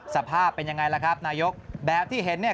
สภาพเป็นอย่างไรล่ะครับนายกแบบที่เห็น